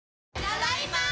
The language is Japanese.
ただいま。